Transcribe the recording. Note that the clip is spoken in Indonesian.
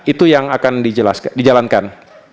itu yang akan dijalankan